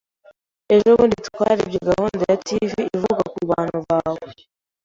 Ejo bundi twarebye gahunda ya TV ivuga kubantu bawe.